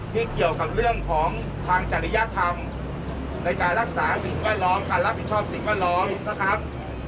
เกี่ยวกับเรื่องของทางจริยธรรมในการรักษาสิ่งแวดล้อมการรับผิดชอบสิ่งแวดล้อมนะครับ